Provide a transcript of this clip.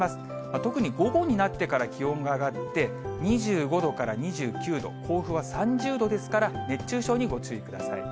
特に午後になってから気温が上がって、２５度から２９度、甲府は３０度ですから、熱中症にご注意ください。